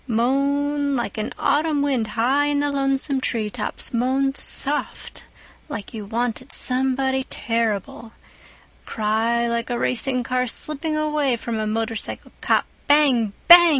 Moan like an autumn wind high in the lonesome tree tops, moan soft like you wanted somebody terrible, cry like a racing car slipping away from a motorcycle cop, bang bang!